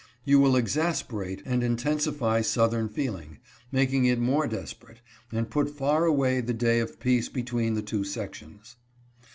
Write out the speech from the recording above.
You will exasperate and intensify south ern feeling, making it more desperate, and put far away the day of peace between the two sections."